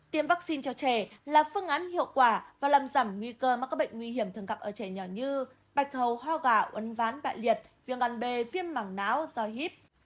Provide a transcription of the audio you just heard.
tiêm vaccine cho trẻ là phương án hiệu quả và làm giảm nguy cơ mắc các bệnh nguy hiểm thường gặp ở trẻ nhỏ như bạch hầu ho gạo ấn ván bại liệt viên gần bề phiêm mảng não do hiếp